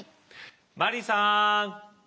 マリーさん！